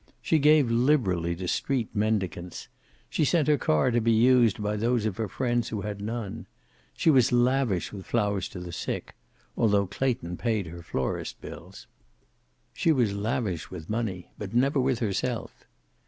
She gave liberally to street mendicants. She sent her car to be used by those of her friends who had none. She was lavish with flowers to the sick although Clayton paid her florist bills. She was lavish with money but never with herself.